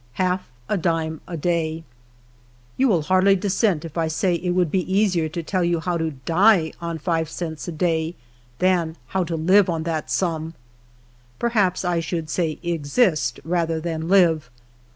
FA DIM i DAY. You will liardly dissent if I say it wimld be easier to tell liow to die on five cents a day than how to live on that sum ; perhaps 1 should say exist, rather than live.